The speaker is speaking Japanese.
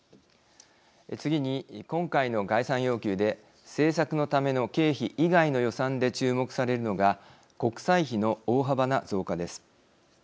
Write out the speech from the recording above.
次に今回の概算要求で政策のための経費以外の予算で注目されるのが国債費の大幅な増加です。